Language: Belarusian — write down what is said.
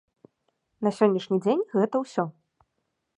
На сённяшні дзень гэта ўсё.